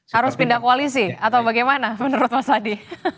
harus pindah koalisi atau bagaimana menurut mas adi